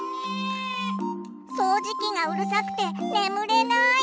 掃除機がうるさくて眠れない！